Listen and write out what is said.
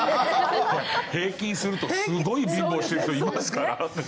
平均するとすごい貧乏してる人いますから。